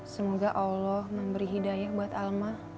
semoga allah memberi hidayah buat alma